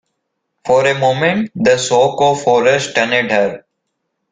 For a moment the shock of horror stunned her.